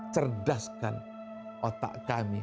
cerdaskan otak kami